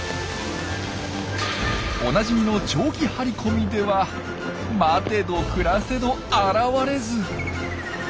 おなじみの長期張り込みでは待てど暮らせど現れず。